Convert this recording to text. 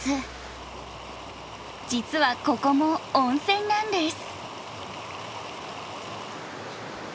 実はここも温泉なんです。